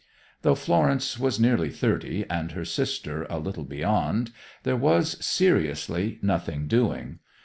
Though Florence was nearly thirty and her sister a little beyond, there was, seriously, nothing doing.